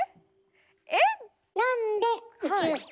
えっ？